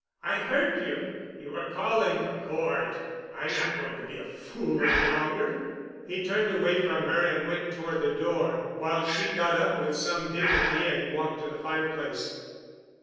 "I heard you—you were calling for Cort. I'm not going to be a fool any longer." He turned away from her and went toward the door, while she got up with some dignity and walked to the fireplace.